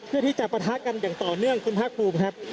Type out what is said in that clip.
เพื่อที่จะปะทะกันอย่างต่อเนื่องคุณภาคภูมิครับ